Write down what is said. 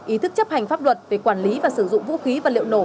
ý thức chấp hành pháp luật về quản lý và sử dụng vũ khí và liệu nổ